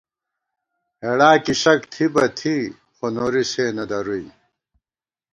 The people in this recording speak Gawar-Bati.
ہېڑا کی شک زی تھی بہ تھی، خو نوری سے نہ درُوئی